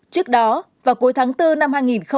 trước đó vào cuối tháng bốn năm hai nghìn hai mươi